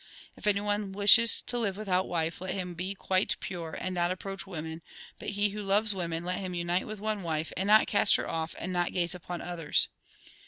If anyone wishes to live without wife, let him be quite pure, and not approach women ; but he who loves women, let him unite with one wife and not cast her off, and not gaze upon others.